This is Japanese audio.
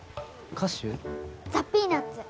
ザ・ピーナッツ。